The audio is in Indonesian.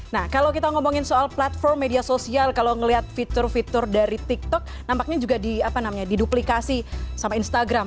nah kalau kita ngomongin soal platform media sosial kalau ngelihat fitur fitur dari tiktok nampaknya juga diduplikasi sama instagram